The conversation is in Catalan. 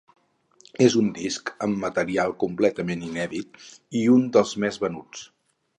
És un disc amb material completament inèdit i un dels més venuts.